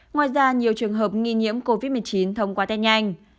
ngoài ra nhiều trường hợp nghi nhiễm covid một mươi chín thông qua test nhanh